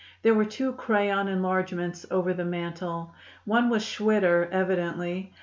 There were two crayon enlargements over the mantel. One was Schwitter, evidently.